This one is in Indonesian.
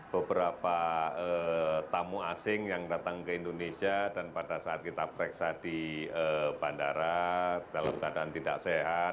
beberapa tamu asing yang datang ke indonesia dan pada saat kita pereksa di bandara dalam keadaan tidak sehat